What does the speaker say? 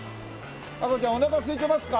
アコちゃんおなかすいてますか？